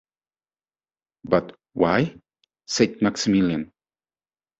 “But why?” said Maximilian.